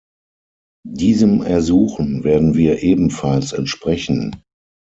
Diesem Ersuchen werden wir ebenfalls entsprechen.